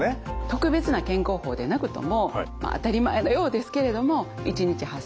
特別な健康法でなくとも当たり前のようですけれども一日８，０００歩以上歩くとか